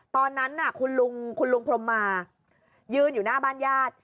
ตอนนั้นคุณลุงคุณลุงพรมมายืนอยู่หน้าบ้านญาติ